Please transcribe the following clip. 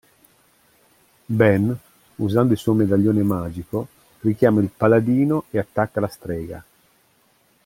Ben, usando il suo medaglione magico, richiama il Paladino e attacca la strega.